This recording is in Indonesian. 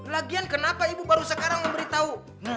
lagian kenapa ibu baru sekarang mau beritahu